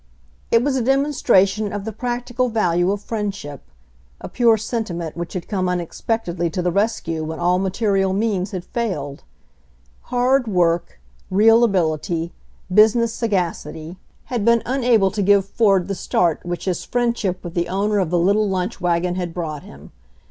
It was a demonstration of the practical value of friendship — a pure sentiment which had come unexpectedly to the rescue when all material means had failed. Hard work, real ability, business sagacity, had 104 WINNING A RACE 105 been unable to give Ford the start which his friendship with the owner of the little lunch wagon had brought him.